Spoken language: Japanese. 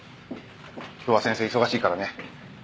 今日は先生忙しいからね。